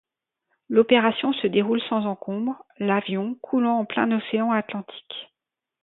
L'opération se déroule sans encombre, l'avion coulant en plein océan atlantique.